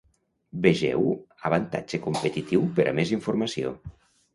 Vegeu avantatge competitiu per a més informació.